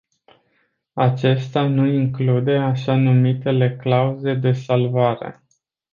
Acesta nu include așa numitele clauze de salvare.